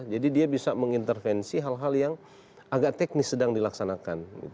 jadi dia bisa mengintervensi hal hal yang agak teknis sedang dilaksanakan